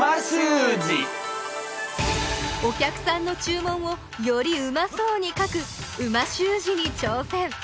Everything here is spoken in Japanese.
お客さんの注文をよりうまそうに書く美味しゅう字に挑戦！